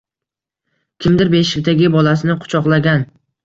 kimdir beshikdagi bolasini quchoqlagan